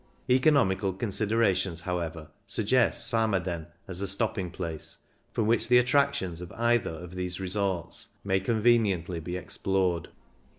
Economical considerations, how ever, suggest Samaden as a stopping place, from which the attractions of either of these resorts may conveniently be explored.